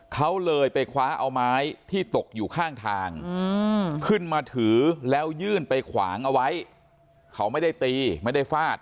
เขาเลยไปคว้าเอาไม้ที่ตกอยู่ข้างทางขึ้นมาถือแล้วยื่นไปขวางเอาไว้เขาไม่ได้ตีไม่ได้ฟาด